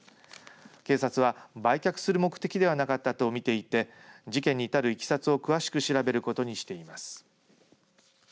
警察は売却する目的ではなかったと見ていて事件に至るいきさつを詳しく調べることにしています。